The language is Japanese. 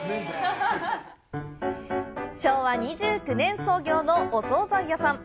昭和２９年創業のお総菜屋さん。